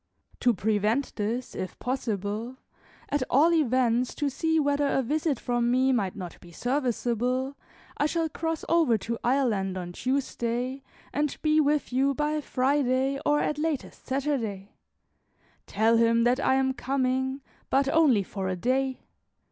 To prevent this, if possible, at all events to see whether a visit from me might not be serviceable, I shall cross over to Ireland on Tuesday, and be with you by Friday, or at latest Saturday. Tell him that I am coming, but only for a day.